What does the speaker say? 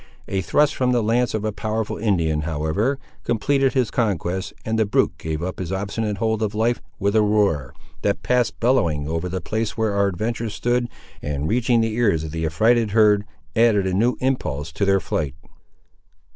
A thrust from the lance of a powerful Indian, however, completed his conquest, and the brute gave up his obstinate hold of life with a roar, that passed bellowing over the place where our adventurers stood, and, reaching the ears of the affrighted herd, added a new impulse to their flight.